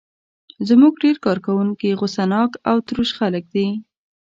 زموږ ډېر کارکوونکي غوسه ناک او تروش خلک دي.